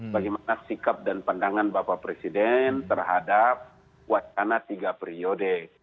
bagaimana sikap dan pandangan bapak presiden terhadap wacana tiga periode